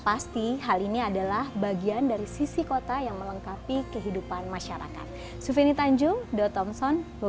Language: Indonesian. pasti hal ini adalah bagian dari sisi kota yang melengkapi kehidupan masyarakat suveni tanjung